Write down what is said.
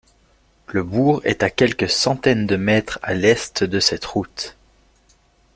Le bourg est à quelques centaines de mètres à l'est de cette route.